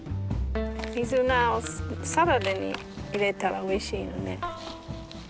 水菜をサラダに入れたらおいしいのね。